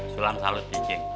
sulam salut ya incing